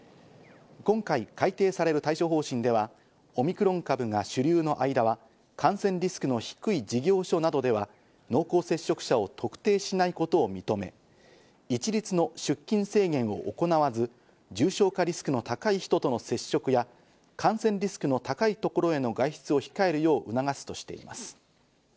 今回改定される対処方針ではオミクロン株が主流の間は感染リスクの低い事業所などでは濃厚接触者を特定しないことを認め、一律の出勤制限を行わず、重症者リスクの高い人との接触や感染リスクの高い所への外出を控えるよう促すとしています。